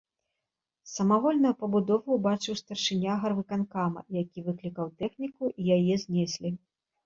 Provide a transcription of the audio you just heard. Самавольную пабудову ўбачыў старшыня гарвыканкама, які выклікаў тэхніку і яе знеслі.